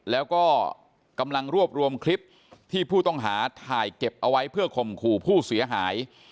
แล้วก็กำลังรวบรวมคลิปที่ผู้ต้องหาถ่ายเก็บเอาไว้เพื่อข่มขู่ผู้เสียหาย